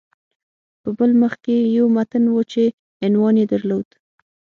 په بل مخ کې یو متن و چې عنوان یې درلود